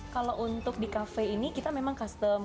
kalau untuk di cafe ini kita memang custom